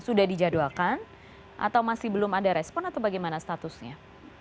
sudah dijadwalkan atau masih belum ada respon atau bagaimana statusnya